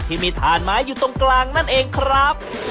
ที่มีฐานไม้อยู่ตรงกลางนั่นเองครับ